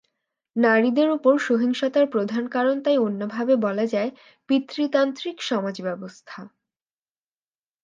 নারীদের ওপর সহিংসতার প্রধান কারণ তাই অন্যভাবে বলা যায় পিতৃতান্ত্রিক সমাজব্যবস্থা।